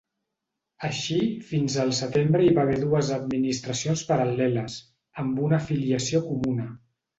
Així, fins al setembre hi va haver dues administracions paral·leles, amb una afiliació comuna.